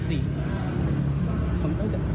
ผมต้องจับ